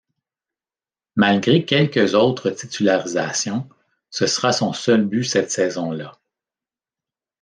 Malgré quelques autres titularisations, ce sera son seul but cette saison-là.